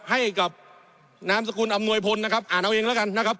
ให้กับนามสกุลอำนวยพลนะครับอ่านเอาเองแล้วกันนะครับ